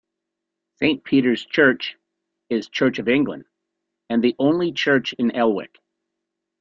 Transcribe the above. Saint Peters church is Church of England and the only church in Elwick.